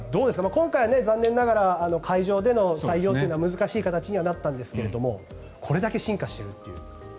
今回は残念ながら会場での採用は難しい形にはなったんですがこれだけ進化しているという。